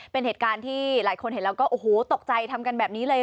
เป็นเหตุการณ์ที่หลายคนเห็นแล้วก็โอ้โหตกใจทำกันแบบนี้เลย